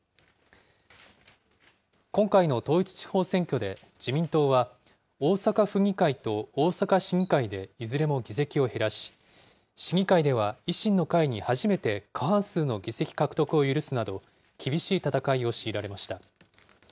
今回の統一地方選挙で自民党は、大阪府議会と大阪市議会でいずれも議席を減らし、市議会では維新の会に初めて過半数の議席獲得を許すなど、厳しい戦いを強いられました。